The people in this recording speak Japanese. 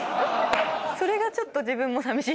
それがちょっと自分もさみしいぐらい。